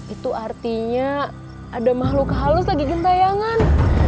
itu artinya ada makhluk halus lagi gentayangan